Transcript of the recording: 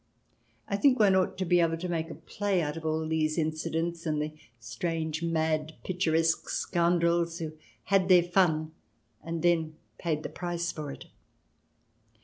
I think one ought to be able to make a play out of all these incidents and the strange, mad, picturesque scoundrels who had their fun and then paid the price for it.